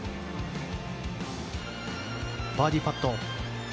バーディーパット。